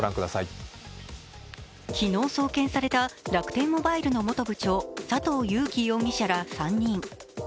昨日送検された楽天モバイルの元部長、佐藤友紀容疑者ら３人。